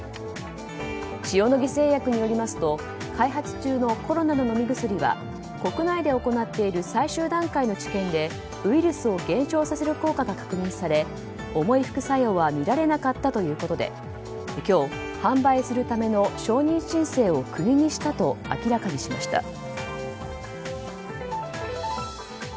塩野義製薬によりますと開発中のコロナの飲み薬は国内で行っている最終段階の治験でウイルスを減少させる効果が確認され重い副作用は見られなかったということで今日、販売するための承認申請を国にしたと明らかにしました。